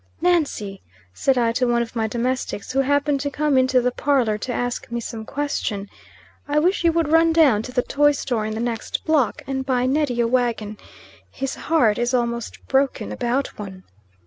"Nancy," said I to one of my domestics, who happened to come into the parlor to ask me some question, "I wish you would run down to the toy store in the next block, and buy Neddy a wagon. His heart is almost broken about one."